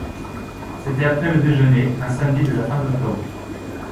C’était après le déjeuner, un samedi de la fin d’octobre.